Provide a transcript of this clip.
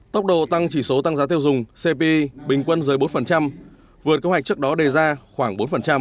tốc độ tăng chỉ số tăng giá tiêu dùng cp bình quân dưới bốn vượt kế hoạch trước đó đề ra khoảng bốn